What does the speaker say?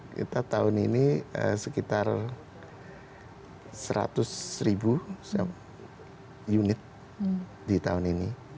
kita tahun ini sekitar seratus ribu unit di tahun ini